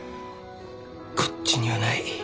こっちにはない。